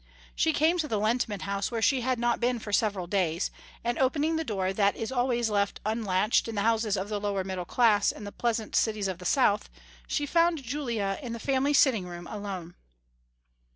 She came to the Lehntman house, where she had not been for several days, and opening the door that is always left unlatched in the houses of the lower middle class in the pleasant cities of the South, she found Julia in the family sitting room alone.